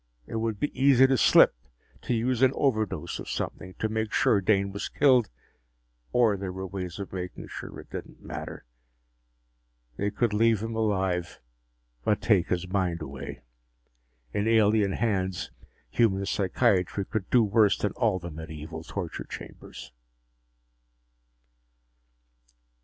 It would be easy to slip, to use an overdose of something, to make sure Dane was killed. Or there were ways of making sure it didn't matter. They could leave him alive, but take his mind away. In alien hands, human psychiatry could do worse than all the medieval torture chambers!